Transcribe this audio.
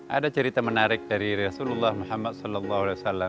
ada cerita menarik dari rasulullah muhammad saw